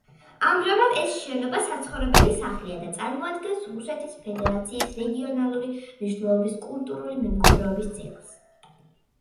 ამჟამად ეს შენობა საცხოვრებელი სახლია და წარმოადგენს რუსეთის ფედერაციის რეგიონალური მნიშვნელობის კულტურული მემკვიდრეობის ძეგლს.